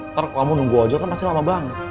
ntar kamu nunggu aja kan pasti lama banget